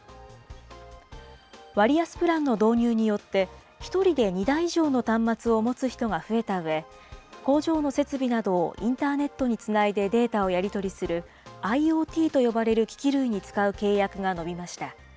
割安プランの導入によって、１人で２台以上の端末を持つ人が増えたうえ、工場の設備などをインターネットにつないでデータをやり取りする、ＩｏＴと呼ばれる機器類に使う契約が伸びました。